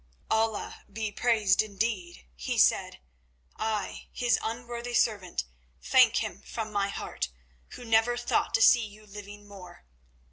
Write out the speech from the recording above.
"Allah be praised indeed!" he said. "I, His unworthy servant, thank Him from my heart, who never thought to see you living more.